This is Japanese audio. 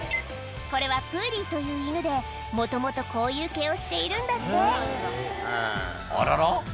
これはプーリーという犬でもともとこういう毛をしているんだってあらら？